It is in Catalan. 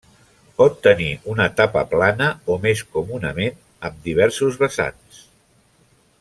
Pot tenir una tapa plana o, més comunament, amb diversos vessants.